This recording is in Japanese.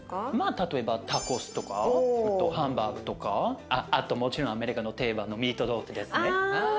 例えばタコスとかあとハンバーグとかあともちろんアメリカの定番のミートローフですね。